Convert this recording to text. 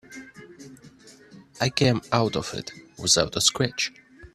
I came out of it without a scratch.